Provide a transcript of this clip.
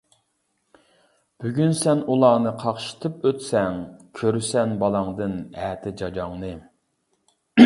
بۈگۈن سەن ئۇلارنى قاقشىتىپ ئۆتسەڭ، كۆرىسەن بالاڭدىن ئەتە جاجاڭنى.